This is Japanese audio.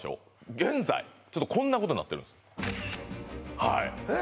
現在ちょっとこんなことになってるんですはいえっ？